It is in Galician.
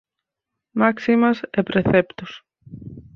Máximas e preceptos